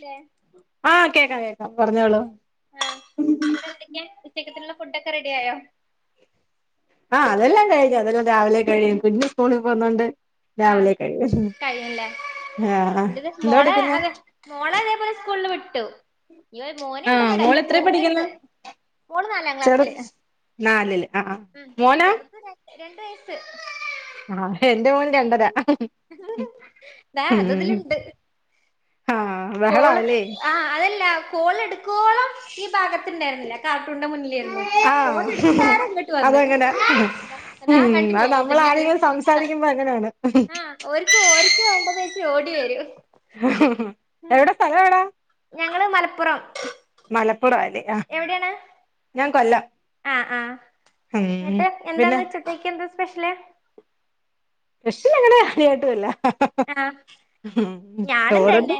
ല്ലേ ആഹ് കേക്കാ കേ ക്ക പറഞ്ഞോളു കേകത്തില്ല [unintelligible] ഫുഡ് ഒക്കെ റെഡി ആയോ ആ അതെല്ലാം കഴിഞ്ഞു അതെല്ലാം രാവിലെ കഴിയും കുഞ്ഞ് സ്കൂൾ പോകുന്നോണ്ട് ആ രാവിലെ കഴിയും കഴിയുല്ലേ ആഹ് എന്റെത് എന്തോ മോളെ എടുക്കുന്ന് അതെ മോളെ അതേപോലെ സ്കൂളിൽ വിട്ട - വിട്ട് മോനുണ്ട് ആഹ് ഇവിടെ മോള് എത്രേ പഠിക്കുന്ന് ചെറുതുണ്ട് മോള് നാലാം ചെറു ക്ലാസ്സില് നാലില് ആഹ് ഉം ചെറുത്- രണ്ട് വയസ്സ് ആ എന്റെ മോന് രണ്ടര ദാ മ് അതതിലുണ്ട് ആ ബഹളവായില്ലേ ഇല്ലാ ഫോൺ എടുക്കോളം ഈ ഭാഗത്തിണ്ടായിരുന്നില്ല കാർട്ടൂന്റെ മുന്നിലായിരുന്നു ആഹ് ഫോൺ എടുത്താരെ ഇങ്ങോട്ട് വന്ന് അതങ്ങനെ ദാ ഉം അത് കണ്ടില്ലേ തി നമ്മൾ ആരെങ്കിലും [unintelligible] സംസാരിക്കുമ്പോ അങ്ങനെയാണ് ആ ഓർക്ക് ഓർക്ക് വേണ്ടത്- ഓടി വരും എവിടെ സ്ഥലം എവിടാ ഞങ്ങൾ മലപ്പുറം മലപ്പ- പ്പുറം ആ അല്ലേ ഞാൻ കൊല്ലം ആഹ ആഹ ഉം ന്നട്ട് പിന്നെ എന്താന്ന് ഉച്ചത്തേക്ക് എന്താ സ്പെഷ്യല് സ്പെഷ്യൽ അങ്ങനെ കാര്യയായിട്ടുല്ല ആഹ ഞാന ചോറുണ്ട് തന്നെ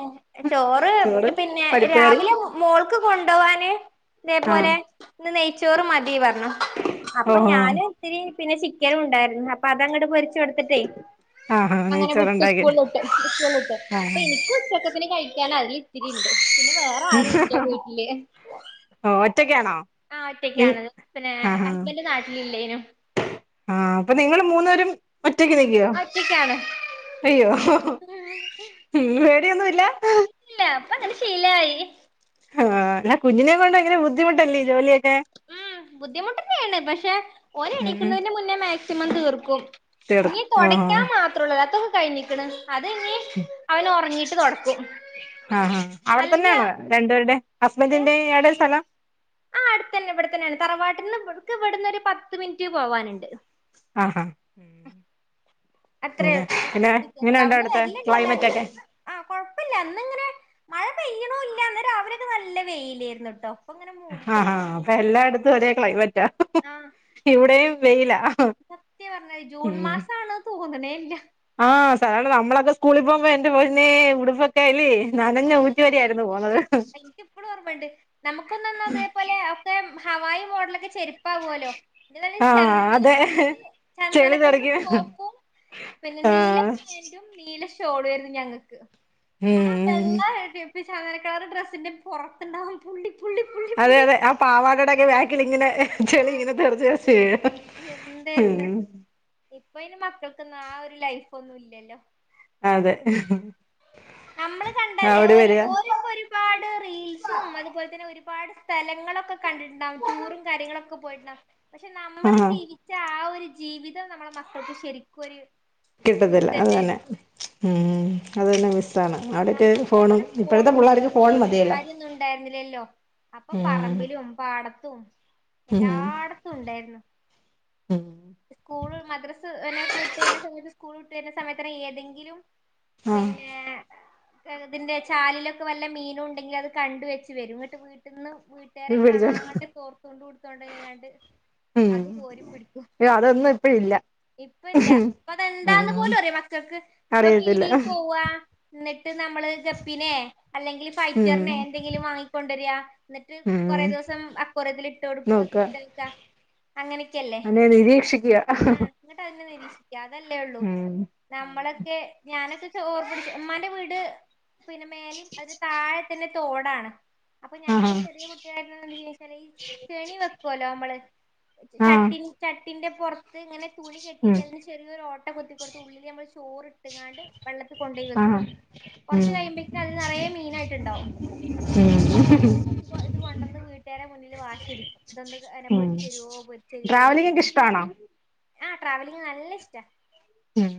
ചോറ് പിന്നെ പരിപ്പ് കറി രാവിലെ മോൾക്ക് കൊണ്ടുപോവാന് ആഹ് ഇതേപോലെ ഇന്ന് നെയ്ച്ചോറ് മതി പറഞ്ഞു അപ്പൊ ഓഹോ ഞാനും ഇത്തിരി പിന്നെ ചിക്കനും ഉണ്ടായിരുന്നു അപ്പൊ അതങ്ങോട്ട് പൊരിച്ചു കൊടുത്തിട്ടേ ആഹ് ആഹ നെയ്‌ച്ചോർ സ്കൂൾ ന്ന് കിട്ടും സ്കൂൾ ന്ന് കിട്ടും അപ്പൊ എനിക്ക് ഉച്ചക്കത്തിന് കയി ഞാനാ ത്തിണ്ട് പിന്നെ വേറെ ആരു ഇല്ല വീട്ടില് ഓഹ് ഒറ്റക്കാണോ ആ നി ഒറ്റയ്ക്കണത് പിന്നെ ഹസ്ബൻഡ് നാട്ടിൽ ല്ലേനും ആഹ അപ്പൊ നിങ്ങള് മൂന്നരും മറ്റക്ക് നക്കിയോ ഒറ്റക്കാണ് അയ്യോ ഉ പേടിയൊന്നുല്ല ഇല്ല ഇപ്പ അങ്ങനെ ശീലായി ആഹ ന കുഞ്ഞിനെ കൊണ്ടങ്ങന ദിട്ടല്ല അല്ല ഉം ബുദ്ധിമുട്ടന്നെയാണ് പക്ഷെ ഒ ഉം എണിക്കുന്നതിന്റെ മുന്നേ മാക്സിമം തീർ കു തീർന്നു നീ തുടയ്ക്കാൻ മാത്രമ ഉള്ളൂ അതും കായി നക്കട ആ അവിടെ അല്ലെങ്കി തന്നെയാണ് രണ്ടുപേരുടെ ഹസ്ബന്റിന്റെ ഇയാടെ സ്ഥലം ആ അടുത്ത തന്നെ ഇവിടെത്തന്നെയാണ് തറവാട്ടിൽ നിന്ന് ഇക്ക് ഇവിടുന്ന് ഒരു പത്ത് മിനിറ്റ് പോവാനുണ്ട്. ആഹ് ഹഹ അത്ര വ്യത്യാസ അവിടുന്ന് അവിടുത്തെ വല്ലുണ്ട് ക്ലൈമറ്റ് എല്ലാരും ഒക്കെ ഇപ്പ ആ കൊഴപ്പില്ല അന്നിങ്ങനെ മഴ പെയ്യണോ ഇല്ലന്ന് രാവിലെയൊക്കെ നല്ല വെയിയിലായിരുന്നു കേട്ടോ ആഹ അപ്പൊ എല്ലായിടത്തും ഒരേ ക്ലൈമറ്റാ ഇവിടെയും വെയില സത്യ പറഞ്ഞത് ജൂൺ മാസണ തകന ഇ [unintelligible] ആഹ് സാധാരണ നമ്മളൊക്കെ സ്കൂളിൽ പോകുമ്പോ എന്റെ പൊന്നെ ഉടുപ്പൊക്കെ ആല്ലേ? [unintelligible] എനിക്ക് ഇപ്പോഴും ഓർമ്മുണ്ട് നമുക്കൊന്ന അതേപോലെ ഒക്കെ ഹവായി മോഡലക്ക് ചെരിപ്പാവല്ലോ ആഹ് ചന്ദന അതെ ക ചന്ദന ചെളി കർ തെറിക്കും പോപ്പും പിന്നെ നീല ആഹ് പാൻറും നീല ചോടുമായിരുന്നു ഞങ്ങൾക്ക് ഉം ഉം പക്ഷെചന്ദന കളർ ഡ്രസ്സിന്റെ പൊറത്തുണ്ടാവും പുള്ളി പുള്ളി പുള്ളി അതെ പുള്ളി അതെ ആ പാവടെടെയൊക്കെ ബാക്കിലിങ്ങനെ - ചെളി ഇങ്ങനെ തെറിച്ചു തെറിച്ചു വീഴും എന്തായിരുന്ന് ഉം ഇപ്പൊ ഇന് മക്കൾക്കൊന്നും ആ ഒരു ലൈഫ് ഒന്നും ഇല്ലല്ലോ അതെ നമ്മൾ കണ്ട അവിടെ ഒരു വരിക ഒരുപാട് റീൽസും അതുപോലെ തന്നെ ഒരു- ഒരുപാട് സ്ഥലങ്ങളൊക്കെ കണ്ടിട്ടുണ്ടാവും ടൂറും കാര്യങ്ങളൊക്കെ പോയിട്ടുണ്ടാവും പക്ഷെ നമ്മള് ആഹ് ജീവിച്ച ആ ഒരു- ജീവിതം നമ്മുടെ മക്കൾക്ക് ശരിക്കും ഒരു- മിസ് കിട്ടത്തില്ല അത് തന്നെ തന്നെയാണ് ഉം അത് തന്നെ- മിസ്സാണ് അവിടൊക്കെ നമക്ക് ഫോണും ഇതേപോലെ ഇപ്പോഴത്തെ ഫോണും പിള്ളേർക്ക് ഫോൺ ടിവിയും മതിയല്ലോ കാര്യൊന്നു ണ്ടായിരുന്നില്ലല്ലോ അപ്പൊ ഉം പറമ്പിലും പാട ത്തും ഉം എല്ലാടത്തും ണ്ടേയിര്ന്നു ഉം സ്കൂള്, മദ്രസ് തന്നെ കുട്ട്യെ സ്കൂൾ വിട്ട് വെര്ന്നെ സമയത്തെനെ ഏതെങ്കിലും ആഹ് പിന്നെ ഇതിന്റെ ചാലിലൊക്കെ വല്ലെ മീനുണ്ടെങ്കിൽ അത് കണ്ട വെച്ച് വെരും ഇന്നട്ട് വീട്ടിന്ന് വീട്ടാരെ പിടിച്ചോ കാണാണ്ട് തോർത്തൂണ്ട് ട്ത്തൊണ്ടോയാണ്ട് ഉം അത് കോരിപ്പിടിക്കും അതൊന്നും ഇപ്പ ഇല്ല ഇപ്പ ഇല്ല ഇപ്പ അതെന്താന്ന് ഉം പോലും അറ്യോ മക്കക്ക് ഇപ്പൊ അറിയത്തില്ല പീടി പോവ നെ ന്നട്ട് ഞമ്മള് ഗപ്പിനെ അല്ലെങ്കിൽ ഉം ഫൈറ്റർനെ എന്തെങ്കിലും വാങ്ങിക്കൊണ്ടെരാ ന്നിട്ട് ഉം കൊറെ ദിവസം അക്ക്വാറിയത്തിൽ ഇട്ടൊട്ക്ക നോക്ക ഇട്ടെക്ക അങ്ങനെക്കെല്ലേ അതിനെ നിരീക്ഷിക്കുക ആ ന്നട്ട് അയ്നെ നിരീക്ഷിക്ക അതല്ലേ ള്ളൂ ഉം ആഹ് നമ്മളൊക്കെ ഞാനൊക്കെ ഹെ ഓർപ്പിടിക്ക ഇമ്മാന്റെ വീട് പിന്നെ മേല് അതിൻ്റെ താഴെ തന്നെ തോടാണ്. അപ്പൊ ഞങ്ങള് ചെറിയ കുട്ട്യായിരി [unintelligible] കെണി വെക്കൊല്ലോ നമ്മള് ആഹ് ചട്ടിണി ച ത്തിന്റെ പൊറത്ത് ങ്ങനെ തുണി കെട്ടിട്ട് ഉം അതിന് ചെറിയരു ഓട്ട കൊത്തി കൊടുത്ത് ഉള്ളില് നമ്മ ചോറ് ഇട്ട്ങ്ങാണ്ട് വെള്ളത്തി കൊണ്ടേ വ ആഹ് കൊറച്ച് ഉം കഴിയുമ്പോക്ക അതില് നറയ മീനായിട്ടുണ്ടാവും ഉം എന്ന ഇത് ഇത് കൊണ്ടുവന്ന് വീട്ടുകറെ മുന്നില് വാശടിക്കും ഇതൊന്ന് ഉം പൊരിച്ചെരുവോ പൊരിച്ചെരുവോ ട്രാവലിംഗ് ഒക്കെ ചോയ്ചിട്ട് ഇഷ്ടാണോ ആഹ് ട്രാവലിഗ് നല്ല ഇഷ്ട്ടാ ഉം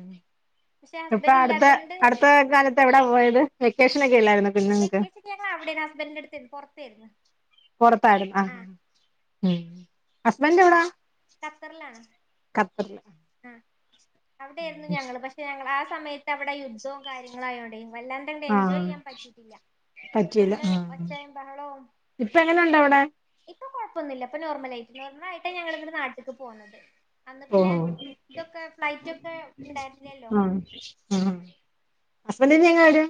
ഇപ്പ അടുത്ത ഇല്ലാത്തോണ്ട് അടു ത്ത കാലത്ത് എവിടാ പോയത് വെക്കേഷൻ ഒക്കെ അല്ലായിരുന്നോ വെക്കേഷന് ഞങ്ങ അവിടെയാണ് ഹസ്ബൻഡന്റെ അടുത്ത് പൊറേത്താരുന്നു ആഹ് ഉം ആ ഹസ്ബൻ്റെവടാ ഖത്തറിലാണ് ഖത്തറില് അവിടെയാരുന്നു ഞങ്ങളും പക്ഷെ ഞങ്ങളാ സമയത്തവിടെ യുദ്ധോ കാര്യങ്ങളായോണ്ടേ വല്ലാണ്ടങ്ങ് ആ എൻജോയ് യ്യാൻ പറ്റീട്ടില്ല പറ്റിയില്ല ഫുള്ള് ആ ഒച്ചേം ബഹളോം ഇപ്പ എങ്ങനെയുണ്ട് അവിടെ ഇ ഇപ്പ കൊഴപ്പൊന്നില്ല ഇപ്പ നോർലായിട്ട് നോർമലായിട്ടാണ് ഞങ്ങള് ഇങ്ങട്ട് നാട്ട്ക്ക് പോന്നത് അന്നാ ഓ പിന്നെ ഇതൊക്കെ ഫ്ലൈറ്റ് ഒക്കെ ഉണ്ടായിരുന്നില്ലല്ലോ ഹസ്ബൻറ്റിനിയെങ്ങ വരും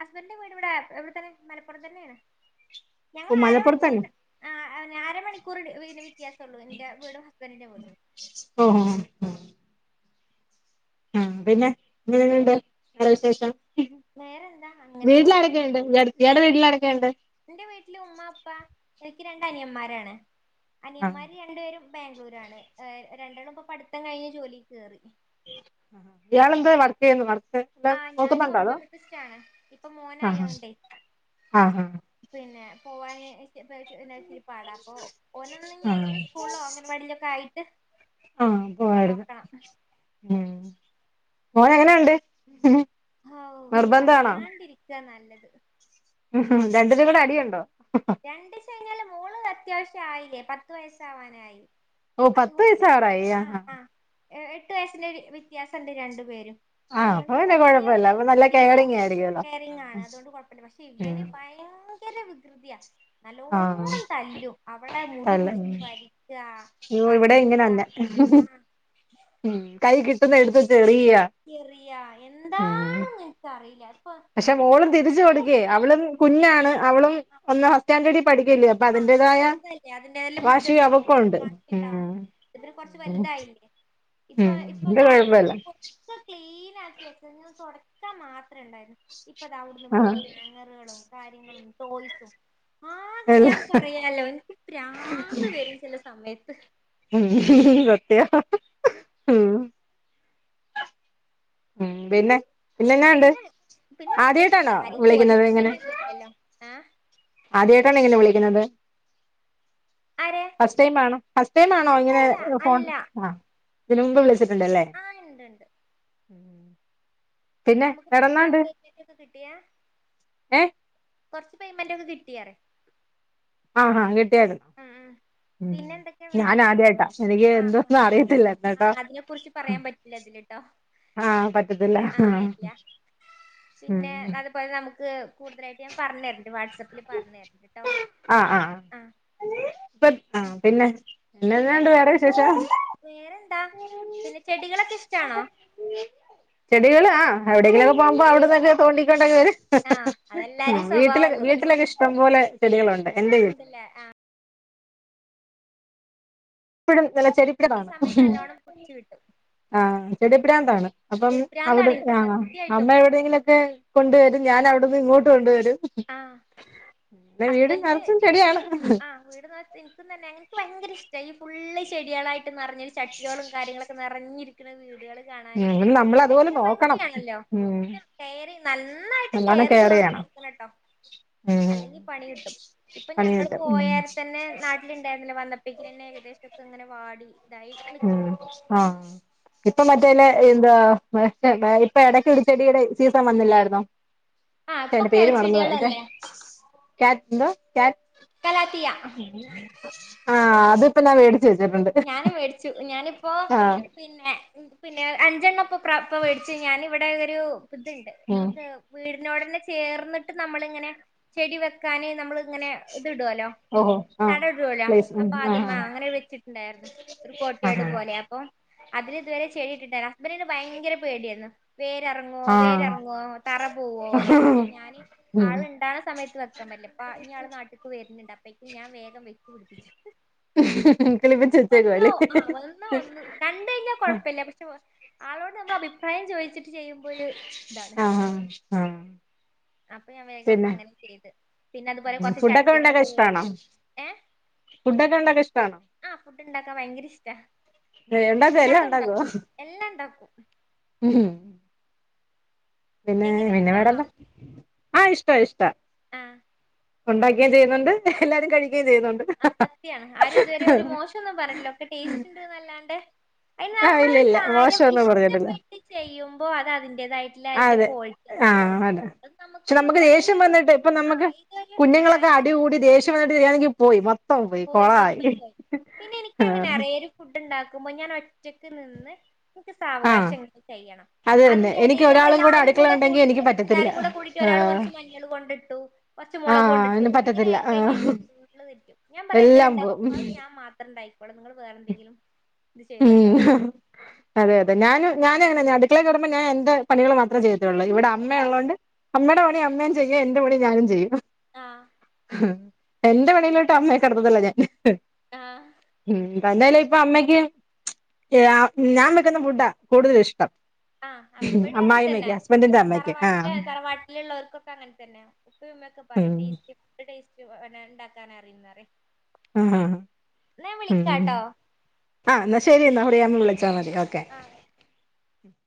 ഹസ്ബന്റെ വീട് ഇവിടെ ഇവിടെ തന്നെ മലപ്പുറം തന്നെയാണ് ഓ മലപ്പുറത്തന്നെ അര മണിക്കൂറ്ണ്ട് വീടിന് വീ ത്യാസം ഒള്ളു എന്റെ വീടും ഹസ്ബൻഡിന്റെ വീടും ഓ ആ പിന്നെ [unintelligible] ങ്ങണ്ട് വേറെ വിശേഷം വേറെന്താ അങ്ങനെ പോന്ന് വീട്ടിലാരൊക്കെയുണ്ട് ഇയാടെ വീട്ടിലാരൊക്കെയുണ്ട് ൻ്റ വീട്ടില് ഉമ്മ ഉപ്പ എനിക്ക് രണ്ടനിയന്മാരാണ് ആ അനിയന്മാര് രണ്ടുപേരും ബാംഗ്ലൂരാണ് ഏഹ് രണ്ടെണ്ണം ഇപ്പ പഠിത്തം കഴിഞ്ഞ് ജോലി കേറി ഹ ഹ ഇയാളെന്ത് വർക്കെയ്യുന്നോ വർ ആ ഞാന് ഒപ്റ്റോമിസിസ്റ്റാണ് ഇപ്പം ആ മോനായോണ്ടേ ആ ആ പിന്നെ പോവാന് [unintelligible] ഇച്ചിരി പാടാ അപ്പൊ ഓനൊന്ന് ഇനി ആ ഒന്ന് സ്കൂൾലോ അംഗൻവാടിയിലൊക്കെ ആയി [unintelligible] ആ പോവാരുത് ഉം ഓൻ എങ്ങനെ ഒണ്ട് ഹൗ പറയാണ്ടിരിക്കുവാ ന ല്ലത് [unintelligible] രണ്ടേരും കൂടെ അടിയൊണ്ടോ രണ്ട് ചഴഞ്ഞാല് മോള് ത്യാവശ്യായില്ലേ പത്ത് വയസാവാനായി ഓ പത്ത് വയസാവാറായി ആ ഹാ എ എട്ട് വയസ്സിൻ്റെ ഒരു വ്യത്യാസം ഇണ്ട് രണ്ടു പേരും ആഹ് അപ്പൊ അതുകൊണ്ട് പിന്നെ വല്യ കൊഴപ്പല്ല ഒരു അപ്പൊ നല്ല ഇതില്യാ കെയറിങ് ആയിരിക്കുവല്ലോ കെയറിങ്ങാണ് അതുകൊണ്ട് കൊഴപ്പമില്ല പക്ഷെ ഉം ഇവന് പയങ്ക ങ്കര വികൃതിയാ ആഹ് നല്ലോണം തല്ലും അവളെ മുടി അല്ല ഉം പിടിച്ച് വലിക്ക്യാ യ്യോ ഇവിടെ ഇങ്ങനെ കടിക്ക്യാ തന്നെ [unintelligible] ഉം കൈ എടുത്ത് വെച്ചെറിയു [unintelligible] ചെറിയാ എന്താണ് നിനിക്കറിയില്ല പക്ഷെ മോളും തിരിച്ചു കൊടുക്കേ അവളും കുഞ്ഞാണ് അവളും ഒന്ന് ഫസ്റ്റ് സ്റ്റാൻഡേർഡി ആഹ അ ചെറുതല്ലേ അതിന്റെതല്ലാം വാശി അവക്കുണ്ട് ബുദ്ധിുണ്ടാവുംവാശിണ്ടാവും ഉം ഇതി കൊറച്ച് വലുതായില്ലേ ഇപ്പൊ ഉം ഇത് ഇപ്പൊതാ കൊഴപ്പല്ല മൊത്തം ക്ലീൻ വൃത്തിയാക്കിവെച്ചിരുന്നു തുടക്കാൻ മാത്ര ഉണ്ടായിരുന്നു ഇപ്പൊ അത അവിടുന്ന് ആഹ് വിടുന്നു ഹാങ്ങറുകളും കാര്യങ്ങളും ടോയ്സും ആ എല്ല ഞാൻ പറയാലോ എനിക്ക് പ്രാന്ത് വരും ചില സമയത്ത് ആ ഉ പിന്നെ പിന്നെന്നാണ്ട് പിന്നെ പിന്നെ ഒറ്റക്കല്ല ആദ്യായിട്ടാണോ ആരെയും ബോധിപ്പിക്കണ്ട ഒന്നുമല്ലല്ലോ ആ ആദ്യമായിട്ടാണ് ഇങ്ങനെ വിളിക്കണത് ആരെ ഫസ്റ്റ് ടൈം ആണോ ഫസ്റ്റ് ടൈം ആണോ ഇങ്ങനെ അല്ലല്ല ഫോൺ അല്ല ആ ഇതിനു മുമ്പ് വിളി ച്ചിട്ടുണ്ടല്ലേ ആ ഉം ഞമ്മുക്ക് [unintelligible] ഏ കൊറച്ച് പേയ്മെന്റ് ഒക്കെ കിട്ടിയ ആഹഹാ കിട്ടിയാരുന്നോ പിന്നെ എന്തൊക്കെയാ ഉ ഞാൻ വേറെ എന്തൊക്കെ ആദ്യായിട്ടാ എനിക്ക് ആ ആ എന്തൊന്നും അറിയത്തില്ല ആ എന്നാട്ടാ അതിനെ കുറിച്ച് പറയാൻ പറ്റില്ല ഇതിലിട്ടോ ആ പറ്റത്തില്ല ആ ഇല്ല പിന്നെ ഉം അതുപോലെ നമുക്ക് ക്ക് കൂടുതലായിട്ട് ഞാൻ പറഞ്ഞര വാട്സാപ്പിൽ പറഞ്ഞര കേട്ടോ ആ ഇപ്പ ആ പിന്നെ എന്നെന്നാണ്ട് പിന്നെന്താ വേറെ വിശേഷം വേറെന്താ പിന്നെ ചെടികളൊക്കെ ഇഷ്ടാണോ ചെടികളാ എവിടെയിങ്കിലൊക്കെ പോകുമ്പോ അവിടൊന്നൊക്കെതോണ്ടികൊണ്ടൊക്കെ വരും ആ അതെല്ലാരും വീട്ടിലെ സ്വഭാവല്ലേ വീട്ടിലൊക്കെ ഇഷ്ടം പോലെ ചെടികളുണ്ട് എന്റെ ഉണ്ട് വീട്ടില് ല്ലേ ആഹ് [unintelligible] വല ചെരിപ്പില് ഈ സമയത്ത് കാണും നല്ലോണം പിടിച്ചു കിട്ടും ആഹ് ചെടിപ്രാന്താണ് അപ്പം അവിടെ ചെടിപ്രാന്താണ് എനിക്ക് ആ അമ്മ സത്യായിട്ടും എവിടെങ്കിലൊക്കെ കൊണ്ടുവ ഞാൻ അവിടുന്ന് ഇങ്ങോട്ട് കൊണ്ടുവരും ആഹ പിന്നെ വീട് ഹസ്ബൻന്റ് നിറച്ചും ചെടിയാണ് ആഹ് വീട്നോ ഇൻക്കും തന്നെ ഇൻക്ക് ഭയ്ങ്കര ഇഷ്ട ഈ ഫുള്ള് ചെട്യേളായ് ട് നർഞ്ഞൊരു ചട്ട്യോളം കാര്യങ്ങളൊക്കെ നിറഞ്ഞിരി ക്ണ വീട് ടള് കാണാന് ഉം നമ്മൾ അതുപോലെ ഭയ്ങ്കര നോക്കണം ഭംഗിയാണല്ലോ ഉം ഞ് കേറി നന്നായിട്ട് നല്ലോണം കെയർ കേറെയ്തോട് ചെയ്യണം നടക്കണട്ടോ ഉം അല്ലെങ്കി ണി കിട്ടും ഇപ്പ പണി ഞങ്ങള് കിട്ടും ഉം പോയാരെ തന്നെ നാട്ടില്ണ്ടായ്ര്ന്നല്ലോ വന്നപേക്നന്നെ ഏകദേശൊ അങ്ങനെ വാടി ഇതായി ഉം നിക്ക്ണ്ട് ആഹ് ഇപ്പോ മറ്റേനെ എന്താ ഇപ്പോ ഇടയ്ക്കൊരു ചെടിയുടെ സീസൺ വന്നില്ലായിരുന്നോ? ആഹ് ഇപ്പൊ അയിന്റെ പേര് മറന്നു [unintelligible] കിളച്ചെടികളല്ലേ ക്യാ എന്തുവാ? കലാത്തിയ [unintelligible] ആഹ് അതിപ്പോ ഞാൻ മേ ടിച്ചു വെച്ചിട്ടുണ്ട്. നും മേടിച്ചു ഞാനിപ്പോ ആഹ് പിന്നെ പിന്നെ അഞ്ചേണ്ണൊപ്പ പ്ര മേടിച്ച് ഞാൻ ഇവിടെ ഒരു ഇതുണ്ട് ഉം നമുക്ക് വീടി നോടന്നെ ചേർന്നിട്ട് നമ്മളിങ്ങനെ ചെടി വെക്കാന് നമ്മള് അങ്ങനെ ഇതിടുവല്ലോ ഓഹോ ആഹ് തട ഇടുവല്ലോ പ്ലേസ് ഉം അപ്പോ ആഹ് അതിമ്മേ അങ്ങനെ വെച്ചി ഇണ്ടായിരുന്നു ഒരു കോട്ടിയാട് ആഹ് പോലെ അപ്പോ അതിൽ ഇതുവരെ ചെടി [unintelligible] [unintelligible] ഭയങ്കര പേടിയായിരുന്നു. വേരെർങ്ങോ ആഹ് വേരെർങ്ങോ തറ പോവോന്നൊക്കെ ആഹ് അപ്പൊ ഞാന് ഉം ആള്ണ്ടാവ്ണ സമയത്ത് വെക്കാൻ പറ്റില്ലപ്പ ഇനി ആള് നാട്ട്ക്ക് വര്ന്ന്ണ്ടപ്പൊ വെക്ക് ഞാൻ വേഗം വെച്ചു പിടിപ്പിച്ചു കിളിപ്പിച്ച് വെച്ചേക്കുവാ വന്ന അല്ലേ ആ വന്ന ഒന്ന് കണ്ട് കഴിഞ്ഞാൽ കൊഴപ്പമില്ല പക്ഷെ ആളോട് നമ്മ അഭിപ്രായം ചോദിച്ചിട്ട് ചെയ്യുമ്പോ ഒരു ഇതാണ് ആഹ് ആഹ് അപ്പൊ ഞാൻ വേഗം പിന്നെ അങ്ങനെ ചെയ്ത് പിന്നെ അതുപോലെ കുറച്ച് ഫുഡൊക്കെ ഉണ്ടാക്കാൻ ചട്ടികളൊക്കെ ഇഷ്ടാണോ മേടിച്ചു ഏ ഫുഡൊക്കെ ഉണ്ടാക്കാൻ ഇഷ്ടാണോ ആ ഫുഡ് ഉണ്ടാക്കാൻ ഭയങ്കര ഇഷ്ടാ ഉണ്ടാക്കുവോ എല്ലാതും ഉണ്ടാക്കും എല്ലാം ഉണ്ടാക്കും ഉം ഉം പിന്നെ എങ്ങനെ പിന്നെ ഇഷ്ടാണോ മേടല്ല ആഹ് ഇഷ്ടാ ഇഷ്ടാ ആ ഒണ്ടാക്കിയേം ചെയ്യുന്നുണ്ട് എല്ലാരും കഴിക്ക ആ സത്യാണ് ആരും ഇതുവരെ ഒരു മോശം ഒന്നും പറഞ്ഞിട്ടില്ല ഒക്കെ ടേസ്റ്റുണ്ട്ന്നല്ലാണ്ട് ആഹ് ഇല്ല നമ്മളൊരു ഇല്ല കാര്യം മോശൊന്നും പറഞ്ഞിട്ടില്ല ഇഷ്ടപ്പെട്ട് ചെയ്യുമ്പോ അത് അതിന്റെതായിട്ടുള്ള ആ അതിന്റെ അതെ ക്വാളിറ്റി തന്നെ ഉണ്ടാവും ആഹ് അതെ അ പക്ഷെ നമുക്കൊരു നമുക്ക് ദേഷ്യം അതൊരു വന്നിട്ട് ഇപ്പൊ നമുക്ക് ഇത് ഒരു കുഞ്ഞുങ്ങളൊക്കെ അടി കൂടി ദേഷ്യം വന്നിട്ട് ചെയ്യാണെങ്കിൽ പോയി മൊത്തം പോയി കൊളായി മൊത്തം പോയി പിന്നെ എനിക്ക് അങ്ങനെ ആഹ് അറിയാ ഒരു ഫുഡ് ഉണ്ടാക്കുമ്പോ ആകുമ്പോ ഞാൻ ഒറ്റക്ക് നിന്ന് ആഹ് സാവകാശം ചെയ്യണം അത് തന്നെ അതിന്റെ എനിക്ക് ഇടയിൽ നമ്മൾ ഒരാളും എല്ലാരും അടുക്കള കൂടെ ഉണ്ടെങ്കി എനിക്ക് കൂടിയിട്ട് പറ്റത്തില്ല എല്ലാരും കൂടെ ഒരാൾ ആഹ് കുറച്ച് മഞ്ഞൾ കൊണ്ടിട്ടു കുറച്ച് മുളക് ആഹ് കൊണ്ടിട്ടു അതിന് അങ്ങനെ പറ്റത്തില്ല ആയിക്കഴിഞ്ഞാൽ ആഹ് എന്റെ ഫുൾ തെറ്റും എല്ലാം പോവും ണ്ടായി ഇവിടെ നിങ്ങൾ വേറെ എന്തെങ്കിലും ഇത് ചെയ്തോട്ടോ പറയും ഉം അതെ അതെ ഞാനും ഞാൻ അടുക്കള കേറുമ്പോ ഞാൻ എന്റെ പണികൾ മാത്രേ ചെയ്തിട്ടുള്ളൂ ഇവിടെ അമ്മ ഉള്ളത് കൊണ്ട് അമ്മയുടെ പണി അമ്മയും ചെയ്യും എന്റെ പണി ഞാനും ചെയ്യും ആ എന്റെ പണിയിലോട്ട് അമ്മയെ കടത്തത്തില്ല ഞാൻ ആഹ് ഉം തന്നെയല്ല ഇപ്പൊ അമ്മയ്ക്കും ഞാൻ വെക്കുന്ന ഫുഡാ കുടുതലും ഇഷ്ടം ആ അവിടെ അങ്ങനെ തന്നെ അമ്മായിമ്മയ്ക്ക് ഹസ്ബൻഡിന്റെ അമ്മയ്ക്ക് ആഹ് തറവാട്ടില് തറവാട്ടിലുള്ളവർക്കൊക്കെ അങ്ങനെ തന്നെ ഉപ്പമ്മൊക്കെ പറയും ഉം ടേസ്റ്റ് ഫുഡ്‌ ഇണ്ടാക്കാൻ അറിയുന്ന പറയും ആ ഹ ആ എന്നാ ഞാൻ ഉം വിളിക്കാട്ടോ ആ എന്നാ ശരി എന്നാ അവിടെ വിളിച്ചാ മതി ഓക്കെ ആഹ് ഉ